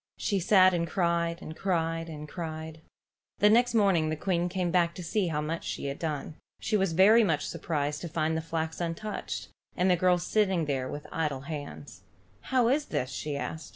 She sat and cried and cried and cried. The next morning the Queen came back to see how much she had done. She was very much surprised to find the flax untouched, and the girl sitting there with idle hands. "How is this?" she asked.